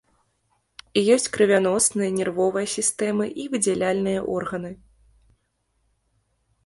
Ёсць крывяносная, нервовая сістэмы і выдзяляльныя органы.